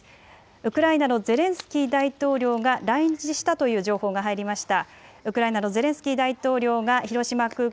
ウクライナのゼレンスキー大統領が来日したという情報が入りました。